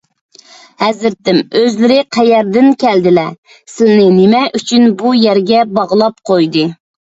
ھەزرىتىم، ئۆزلىرى قەيەردىن كەلدىلە؟ سىلىنى نېمە ئۈچۈن بۇ يەرگە باغلاپ قويدى؟